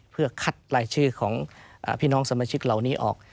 เพื่อคัดลายชื่อของพี่น้องสมาชิกเหล่านี้ออก